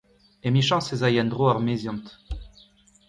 Emichañs ez ay en-dro ar meziant.